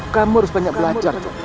kamu harus banyak belajar